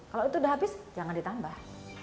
kalau itu udah habis jangan ditambah